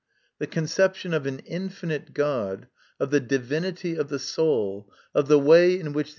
The conception of an infinite God, of the divinity of the soul, of the way in which the 92 MY CONFESSION.